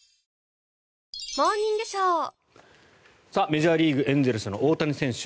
メジャーリーグエンゼルスの大谷選手